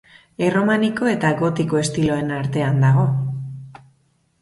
Erromaniko eta gotiko estiloen artean dago.